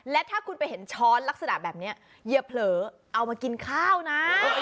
และถ้าคุณไปเห็นช้อนลักษณะแบบนี้อย่าเผลอเอามากินข้าวนะ